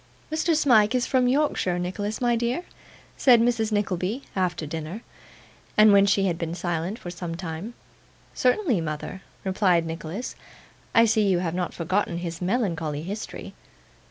'Mr. Smike is from Yorkshire, Nicholas, my dear?' said Mrs. Nickleby, after dinner, and when she had been silent for some time. 'Certainly, mother,' replied Nicholas. 'I see you have not forgotten his melancholy history.